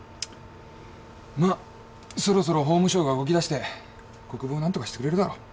まぁそろそろ法務省が動きだして国府を何とかしてくれるだろう。